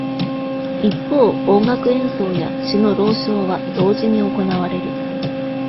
一方、音楽演奏や詩の朗唱は同時に行われる。